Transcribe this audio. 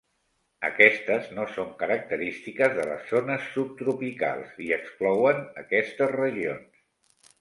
Aquestes no són característiques de les zones subtropicals i exclouen aquestes regions.